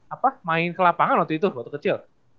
apa main ke lapangan waktu itu waktu kecil